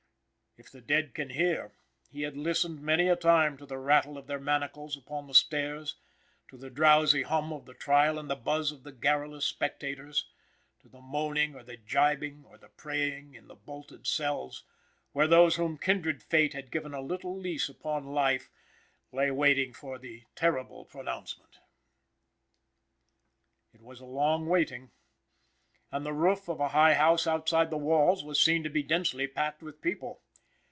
If the dead can hear he had listened many a time to the rattle of their manacles upon the stairs, to the drowsy hum of the trial and the buzz of the garrulous spectators; to the moaning, or the gibing, or the praying in the bolted cells where those whom kindred fate had given a little lease upon life lay waiting for the terrible pronouncement. It was a long waiting, and the roof of a high house outside the walls was seen to be densely packed with people.